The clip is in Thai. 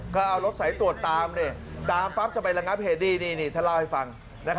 ก็เอารถสายตรวจตามตามปั๊บจะไประงับเหตุนี่ท่านเล่าให้ฟัง